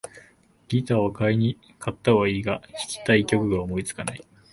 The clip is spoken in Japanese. ギターを買ったはいいが、弾きたい曲が思いつかない